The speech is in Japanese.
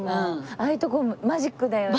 ああいうとこマジックだよね。